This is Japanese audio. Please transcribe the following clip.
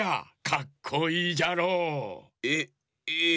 かっこいいじゃろう。えええ。